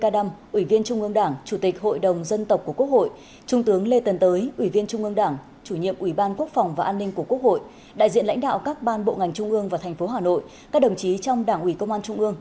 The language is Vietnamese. đại diện lãnh đạo các ban bộ ngành trung ương và thành phố hà nội các đồng chí trong đảng ủy công an trung ương